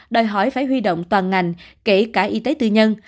đòi hỏi phải huy động toàn ngành kể cả y tế tư nhân